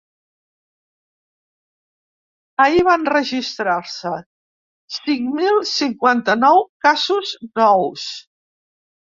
Ahir van registrar-se cinc mil cinquanta-nou casos nous.